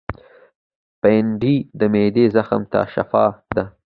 بېنډۍ د معدې زخم ته شفاء ده